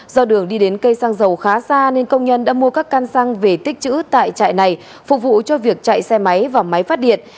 do đường đi đến cây xăng dầu khá xa nên công nhân đã mua các căn xăng về tích chữ tại trại này phục vụ cho việc chạy xe máy và máy phát điện